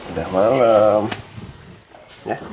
udah malem ya